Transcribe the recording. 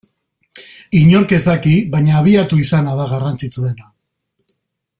Inork ez daki, baina abiatu izana da garrantzitsuena.